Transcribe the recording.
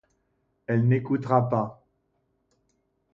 Elle n'écoutera pas.